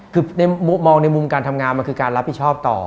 คือมองในมุมการทำงานมันคือการรับผิดชอบต่อ